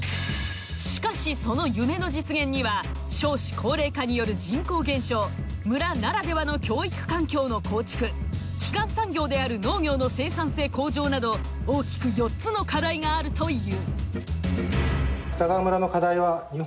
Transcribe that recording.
しかしその夢の実現には少子高齢化による人口減少村ならではの教育環境の構築基幹産業である農業の生産性向上など大きく４つの課題があるという。